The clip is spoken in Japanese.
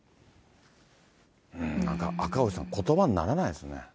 なんか赤星さん、ことばにならないですね。